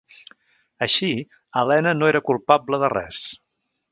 Així, Helena no era culpable de res.